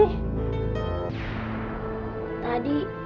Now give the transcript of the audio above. tadi imam aku berpikir